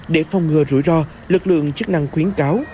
để phòng ngừa rủi ro lực lượng chức năng khuyến cáo